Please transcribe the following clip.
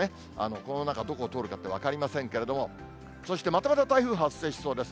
この中どこを通るか分かりませんけれども、そしてまたまた台風発生しそうです。